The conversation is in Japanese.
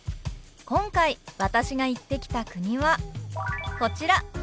今回私が行ってきた国はこちら。